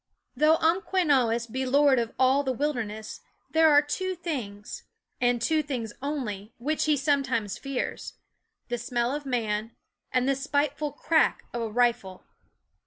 Though Umquenawis be lord of the wil derness, there are two things, and two things only, which he sometimes fears : the smell of man, and the spiteful crack of a rifle.